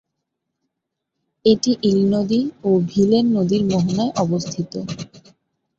এটি ইল নদী ও ভিলেন নদীর মোহনায় অবস্থিত।